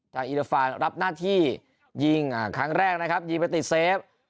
อินเตอร์ฟานรับหน้าที่ยิงครั้งแรกนะครับยิงไปติดเซฟ